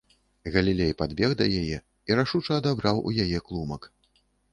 Галілей падбег да яе і рашуча адабраў у яе клумак.